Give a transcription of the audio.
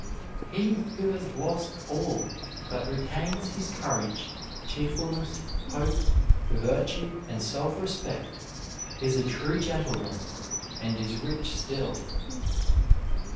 He who has lost all but retains his courage, cheerfulness, hope, virtue, and self respect, is a true gentleman, and is rich still.